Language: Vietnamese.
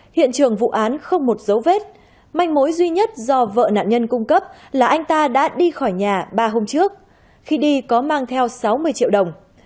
hiện trường vụ án không một dấu vết manh mối duy nhất do vợ nạn nhân cung cấp là anh ta đã đi khỏi nhà ba hôm trước khi đi có mang theo sáu mươi triệu đồng